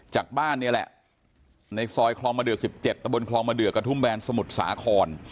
จากบ้านนี่แหละในซอยคลองมะเดือ๑๗ตะบนคลองมะเดือกระทุ่มแบนสมุทรสาคร